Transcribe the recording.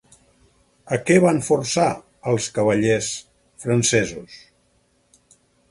A què van forçar als cavallers francesos?